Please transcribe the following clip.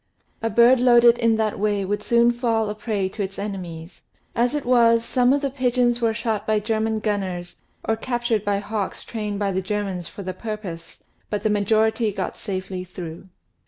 A bird loaded in that way would soon fall a prey to its enemies. As it was, some of the pigeons were shot by German gunners or captured by hawks trained by the Germans for the purpose, but the great majority got safely through.